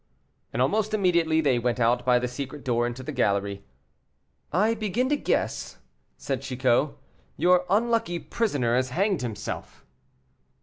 And almost immediately they went out by the secret door into the gallery. "I begin to guess," said Chicot; "your unlucky prisoner has hanged himself."